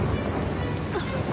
あっ。